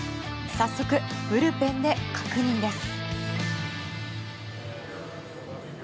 早速、ブルペンで確認です。